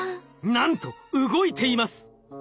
なんと動いています！